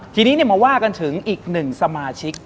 ทีนี้มาว่ากันถึงอีกหนึ่งสมาชิก